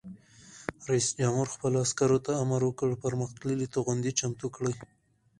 رئیس جمهور خپلو عسکرو ته امر وکړ؛ پرمختللي توغندي چمتو کړئ!